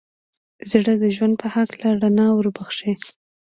زړه د ژوند په هکله رڼا وربښي.